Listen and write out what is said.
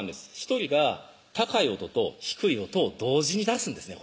１人が高い音と低い音を同時に出すんですね